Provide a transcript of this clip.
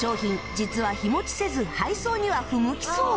実は日持ちせず配送には不向きそう